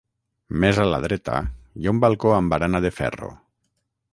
Més a la dreta hi ha un balcó amb barana de ferro.